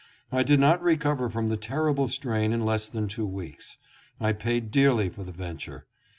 I did not recover from the terrible strain in less than two weeks. I paid dearly for the venture.